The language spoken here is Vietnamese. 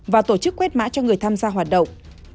và tổ chức quét mã cho người tham gia hoạt động